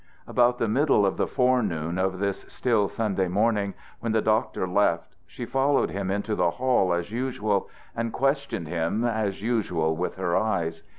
About the middle of the forenoon of this still Sunday morning, when the doctor left, she followed him into the hall as usual, and questioned him as usual with her eyes.